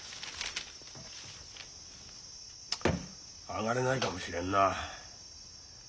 上がれないかもしれんな。